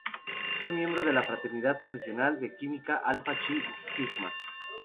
Fue miembro de la fraternidad profesional de química Alpha Chi Sigma.